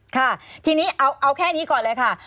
ค่ะทีนี้เอาแค่นี้ก่อนเลยค่ะ